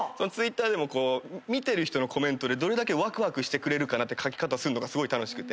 Ｔｗｉｔｔｅｒでも見てる人のコメントでどれだけわくわくしてくれるかなって書き方すんのがすごい楽しくて。